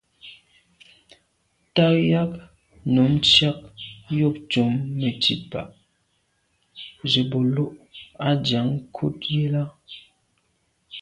Tà yag num ntsiag yub ntùm metsit ba’ ze bo lo’ a ndian nkut yi là.